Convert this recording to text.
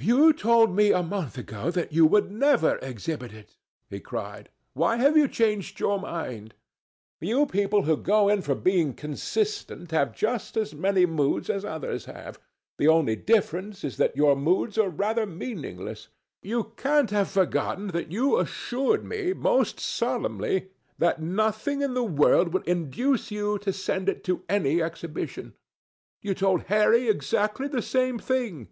"You told me a month ago that you would never exhibit it," he cried. "Why have you changed your mind? You people who go in for being consistent have just as many moods as others have. The only difference is that your moods are rather meaningless. You can't have forgotten that you assured me most solemnly that nothing in the world would induce you to send it to any exhibition. You told Harry exactly the same thing."